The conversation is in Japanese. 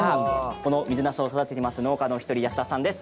この水なすを育てています農家のお一人安田さんです。